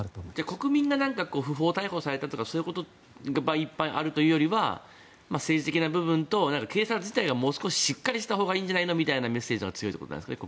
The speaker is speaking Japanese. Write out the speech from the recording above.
国民が不法逮捕されたとかいうことがいっぱいあるというよりは政治的な部分と警察自体がもう少ししっかりしたほうがいいというメッセージが強いということですか。